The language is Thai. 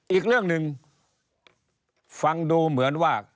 อีกเรื่องหนึ่งฟังดูเหมือนว่า